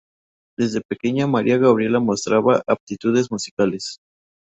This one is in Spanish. Desde pequeña María Gabriela mostraba aptitudes musicales.